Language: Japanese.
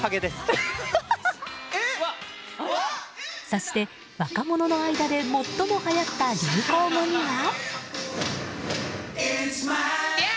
そして、若者の間で最もはやった流行語には。